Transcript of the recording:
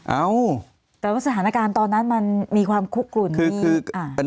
เอ้าแต่ว่าสถานการณ์ตอนนั้นมันมีความคุกกลุ่นนี่